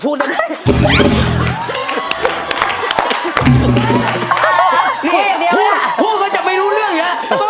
นี่พูดก็จะไม่รู้เรื่องแล้ว